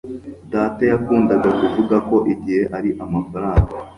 data yakundaga kuvuga ko igihe ari amafaranga